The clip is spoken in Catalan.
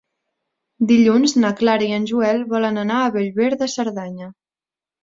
Dilluns na Clara i en Joel volen anar a Bellver de Cerdanya.